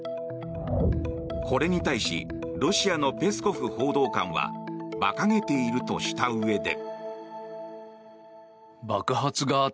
これに対しロシアのペスコフ報道官は馬鹿げているとしたうえで。